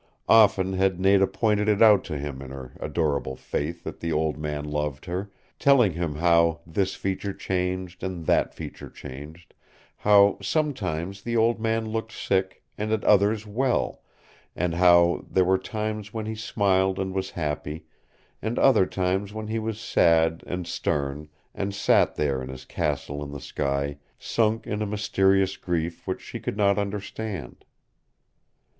Often had Nada pointed it out to him in her adorable faith that the Old Man loved her, telling him how this feature changed and that feature changed, how sometimes the Old Man looked sick and at others well, and how there were times when he smiled and was happy and other times when he was sad and stern and sat there in his castle in the sky sunk in a mysterious grief which she could not understand.